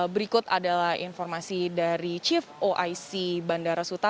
berikut adalah informasi dari chief oic bandara suta